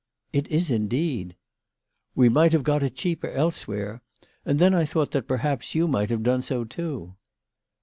"It is, indeed." "We might have got it cheaper elsewhere. And then I thought that perhaps you might have done so too."